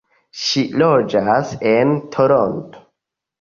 Ŝi loĝas en Toronto.